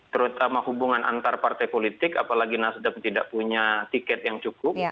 terutama hubungan antar partai politik apalagi nasdem tidak punya tiket yang cukup